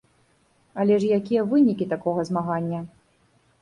Але якія ж вынікі такога змагання?